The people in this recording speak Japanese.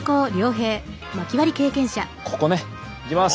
ここねいきます。